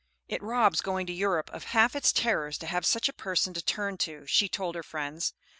"It robs going to Europe of half its terrors to have such a person to turn to," she told her friends.